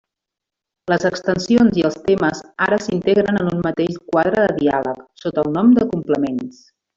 Les extensions i el temes ara s'integren en un mateix quadre de diàleg, sota el nom de Complements.